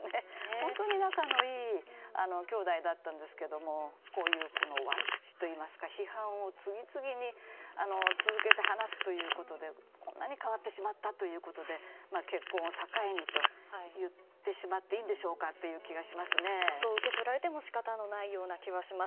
本当に仲のいい兄弟だったんですけどこういう悪口といいますか批判を次々に話すということで、こんなに変わってしまったということで結婚を境にといってしまっていいんでしょうかというそう受け取られても仕方ないような気がします。